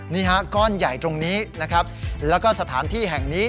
นี่ฮะก้อนใหญ่ตรงนี้นะครับแล้วก็สถานที่แห่งนี้